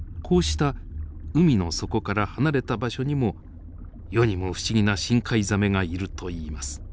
こうした海の底から離れた場所にも世にも不思議な深海ザメがいるといいます。